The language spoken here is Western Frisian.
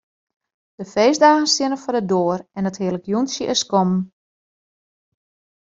De feestdagen steane foar de doar en it hearlik jûntsje is kommen.